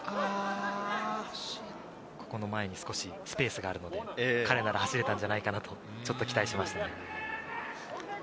ここの前に少しスペースがあるので彼なら走れたんじゃないかなと、ちょっと期待しました。